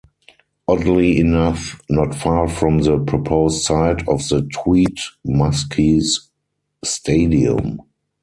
Oddly enough not far from the proposed site of the Tweed Muskies stadium.